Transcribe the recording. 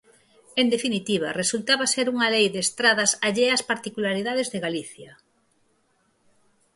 En definitiva, resultaba ser unha Lei de estradas allea ás particularidades de Galicia.